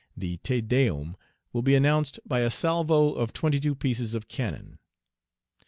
The Te Deum will be announced by a salvo of twenty two pieces of cannon."